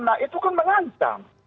nah itu kan mengancam